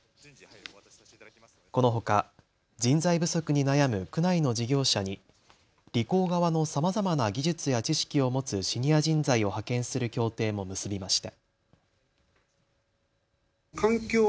このほか人材不足に悩む区内の事業者にリコー側のさまざまな技術や知識を持つシニア人材を派遣する協定も結びました。